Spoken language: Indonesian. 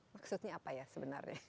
maksudnya apa ya sebenarnya